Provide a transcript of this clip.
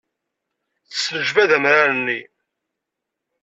Tesnejbad amrar-nni.